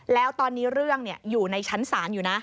แล้วตอนนี้เรื่องอยู่ในชั้นศาลอยู่นะ